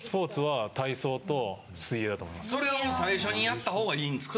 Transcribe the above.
それを最初にやった方がいいんですか。